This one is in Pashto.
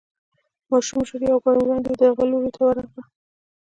ماشومه ژر يو ګام وړاندې د هغه لوري ته ورغله.